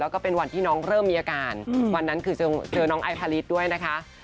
แล้วก็เป็นวันที่น้องเริ่มมีอาการวันนั้นคือเจอน้องไอพาริสด้วยนะคะ